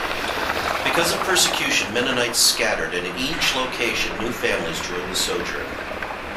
Because of persecution, Mennonites scattered and in each location new families joined the sojourn.